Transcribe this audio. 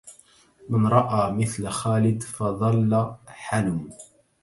من رأى مثل خالد فضل حلم